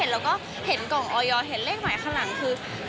แล้วก็เห็นกล่องออยออเห็นเลขหมายข้างหลัง